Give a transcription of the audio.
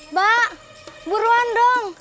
mbak buruan dong